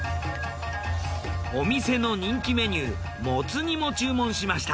お店の人気メニューもつ煮も注文しました。